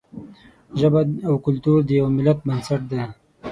ژبه او کلتور د یوه ملت بنسټ دی.